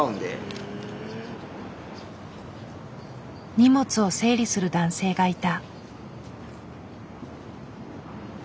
荷物を整理する男性がいた。